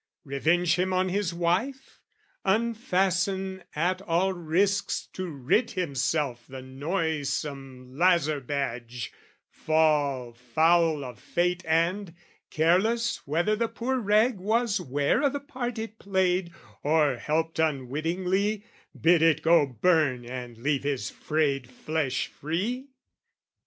Revenge him on his wife? Unfasten at all risks to rid himself The noisome lazar badge, fall foul of fate, And, careless whether the poor rag was ware O' the part it played, or helped unwittingly, Bid it go burn and leave his frayed flesh free?